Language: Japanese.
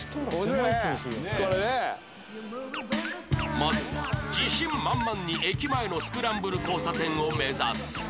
まずは自信満々に駅前のスクランブル交差点を目指す